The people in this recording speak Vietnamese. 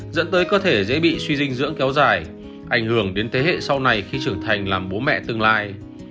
dẫn tới cơ thể dễ bị suy dinh dưỡng kéo dài ảnh hưởng đến thế hệ sau này khi trưởng thành làm bố mẹ tương lai